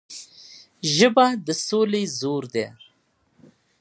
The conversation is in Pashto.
ژبه د سولې زور ده